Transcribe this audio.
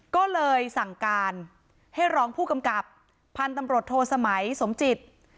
ก็เลยสั่งการให้รองผู้กำกับพันธุ์ตำรวจโทสมัยสมจิต